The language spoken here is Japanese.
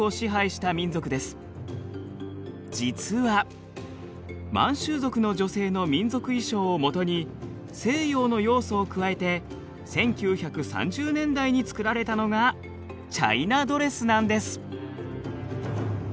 実は満州族の女性の民族衣装を基に西洋の要素を加えて１９３０年代に作られたのがチャイナドレスなんです。